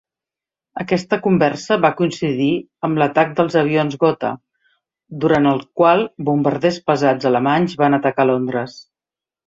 Aquesta conversa va coincidir amb l'atac dels avions Gotha, durant el qual bombarders pesats alemanys van atacar Londres.